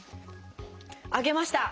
上げました！